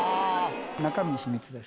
中身秘密です。